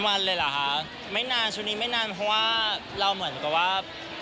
วันเลยเหรอคะไม่นานชุดนี้ไม่นานเพราะว่าเราเหมือนกับว่า